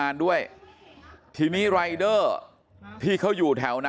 มันต้องการมาหาเรื่องมันจะมาแทงนะ